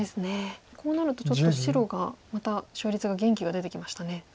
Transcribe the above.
こうなるとちょっと白がまた勝率が元気が出てきましたね。